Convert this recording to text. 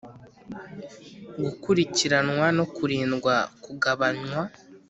gukurikiranwa no kurindwa kugabanywa.